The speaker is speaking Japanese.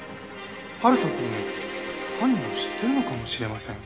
春人くん犯人を知ってるのかもしれません。